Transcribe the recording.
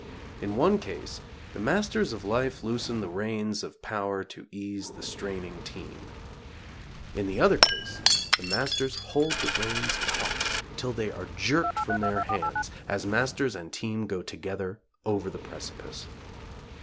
In one case the masters of life loosens the reins of power to ease the straining team; in the other case the masters hold the reins taut till they are jerked from their hands, as masters and team go together over the precipice.